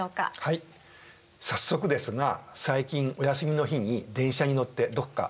早速ですが最近お休みの日に電車に乗ってどこか遊びに行きました？